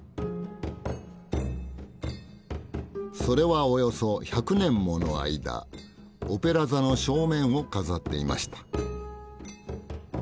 それはおよそ１００年もの間オペラ座の正面を飾っていました。